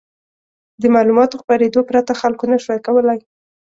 د معلوماتو خپرېدو پرته خلکو نه شوای کولای.